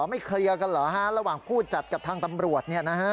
ไม่เคลียร์กันเหรอฮะระหว่างผู้จัดกับทางตำรวจ